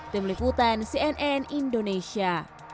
tim liputan cnn indonesia